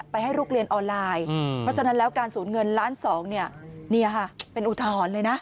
ให้ลูกเรียนออนไลน์เพราะฉะนั้นแล้วการสูญเงินล้านสองเนี่ยค่ะเป็นอุทหรณ์เลยนะ